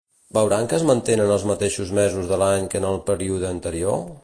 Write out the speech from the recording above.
Veuran que es mantenen els mateixos mesos de l'any que en el període anterior?